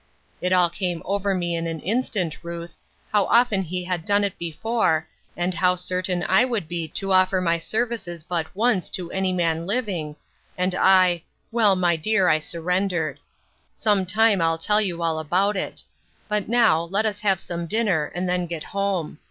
It all came over me in an instant, Ruth, how often He had done it before, and how certain I would be to offer my services but once to any man living, and I — well, my dear, I surrendered. Some time I'll tell you all about it. But now, let us have some dinner, and then get home.